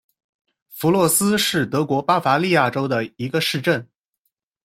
弗洛斯是德国巴伐利亚州的一个市镇。